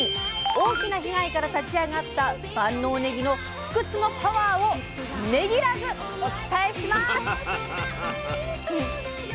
大きな被害から立ち上がった万能ねぎの不屈のパワーを「ねぎ」らずお伝えします！